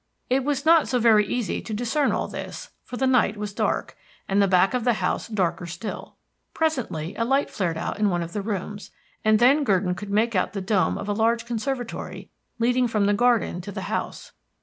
It was not so very easy to discern all this, for the night was dark, and the back of the house darker still. Presently a light flared out in one of the rooms, and then Gurdon could make out the dome of a large conservatory leading from the garden to the house.